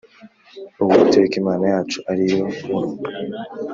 Uwiteka Imana yacu ari yo nkuru